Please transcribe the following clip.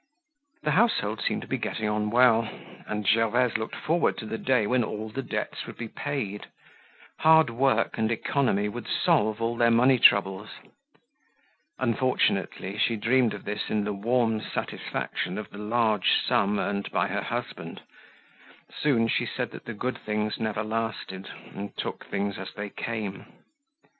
The household seemed to be getting on well and Gervaise looked forward to the day when all the debts would be paid. Hard work and economy would solve all their money troubles. Unfortunately, she dreamed of this in the warm satisfaction of the large sum earned by her husband. Soon, she said that the good things never lasted and took things as they came.